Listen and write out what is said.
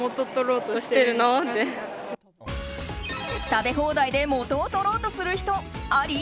食べ放題で元を取ろうとする人あり？